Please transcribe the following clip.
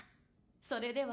・それでは。